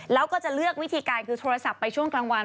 แล้วก็จะเลือกวิธีการคือโทรศัพท์ไปช่วงกลางวัน